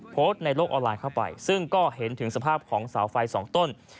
โพสต์ในโลกออนไลน์เข้าไปซึ่งก็เห็นถึงสภาพของเสาไฟสองต้น